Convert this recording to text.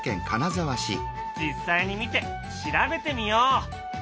実際に見て調べてみよう！